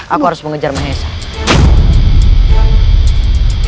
aku harus mengejar maesah